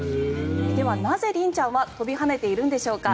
では、なぜりんちゃんは跳びはねているんでしょうか。